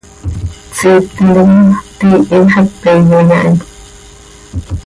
Siip tintica tiihi, xepe iyoyaai.